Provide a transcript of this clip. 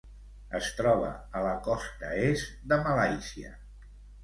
Es troba a la costa est de malàisia.